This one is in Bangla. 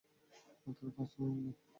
মাত্র পাঁচ মিনিট ভাই।